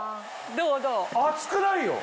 熱くないよ。